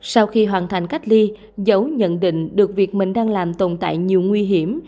sau khi hoàn thành cách ly giấu nhận định được việc mình đang làm tồn tại nhiều nguy hiểm